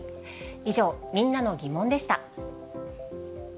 以上、みんなのギモンでした。